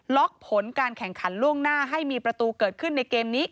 ผลการแข่งขันล่วงหน้าให้มีประตูเกิดขึ้นในเกมนี้